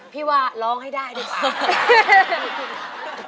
พี่ว่าร้องให้ได้ดีกว่า